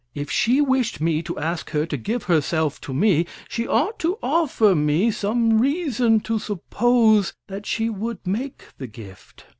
If she wished me to ask her to give herself to me, she ought to offer me some reason to suppose that she would make the gift.